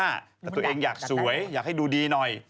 ฟันหล่อซีหน้าแต่ตัวเองอยากสวยอยากให้ดูดีหน่อย